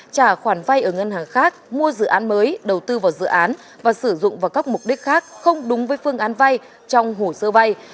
trả khoản vay ở ngân hàng khác mua dự án mới đầu tư vào dự án và sử dụng vào các mục đích khác không đúng với phương án vay trong hồ sơ vay